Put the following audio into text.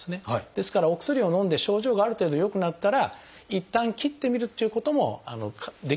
ですからお薬をのんで症状がある程度よくなったらいったん切ってみるっていうこともできる方も結構いらっしゃいます。